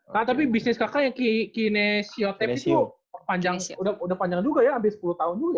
kak tapi bisnis kakak yang kinesiotep itu udah panjang juga ya ambil sepuluh tahun dulu ya